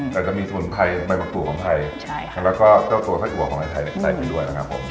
แต่จะมีสมุนไทยมะกรูของไทยแล้วก็ตัวสักหัวของไทยใส่ไปด้วย